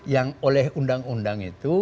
yang oleh undang undang itu